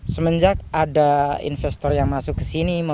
semenjak ada investor yang masuk ke sini